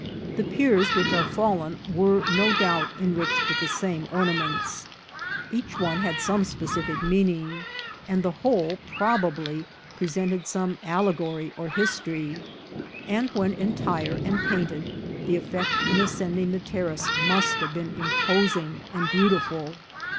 The piers which are fallen were no doubt enriched with the same orna ments. Each one had some specific meaning, and the whole probably presented some allegory or history ; and when entire and painted, the effect in ascending the terrace must have been imposing and beautiful.